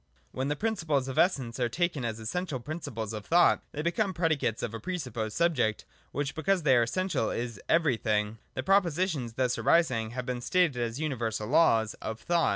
When the principles of Essence are taken as essen tial principles of thought they become predicates of a presupposed subject, which, because they are essen tial, is ' Everything.' The propositions thus arising have been stated as universal Laws of Thought.